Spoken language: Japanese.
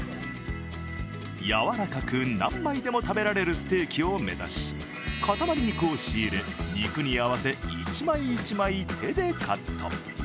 やわらかく何枚でも食べられるステーキを目指し、塊肉を仕入れ、肉に合わせて１枚１枚手でカット。